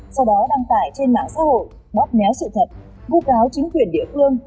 sau đó đăng tải trên mạng xã hội bóp néo sự thật vô cáo chính quyền địa phương